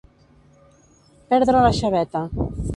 Perdre la xaveta.